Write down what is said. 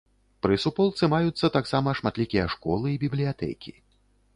Пры суполцы маюцца таксама шматлікія школы і бібліятэкі.